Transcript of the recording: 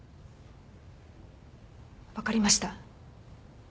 分かりました。